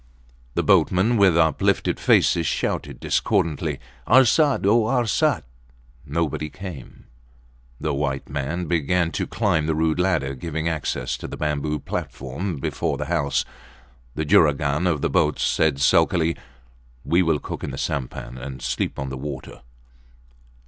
The boatmen with uplifted faces shouted discordantly, Arsat! O Arsat! Nobody came. The white man began to climb the rude ladder giving access to the bamboo platform before the house. The juragan of the boat said sulkily, We will cook in the sampan, and sleep on the water.